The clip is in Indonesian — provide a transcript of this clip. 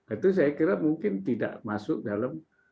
itu saya kira mungkin tidak masuk dalam